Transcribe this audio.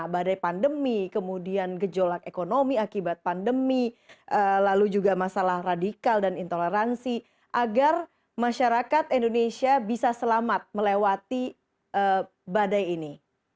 badai pandemi kemudian gejolak ekonomi akibat pandemi lalu juga masalah radikal dan intoleransi agar masyarakat indonesia bisa selamat melewati badai ini